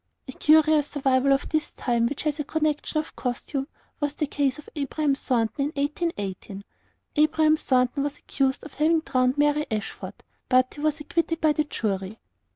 (1189 1199)] A curious survival of this time, which has a connection with costume, was the case of Abraham Thornton in 1818. Abraham Thornton was accused of having drowned Mary Ashford, but he was acquitted by the jury.